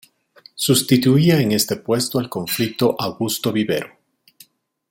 Sustituía en este puesto al conflicto Augusto Vivero.